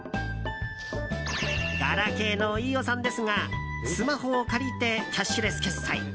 ガラケーの飯尾さんですがスマホを借りてキャッシュレス決済。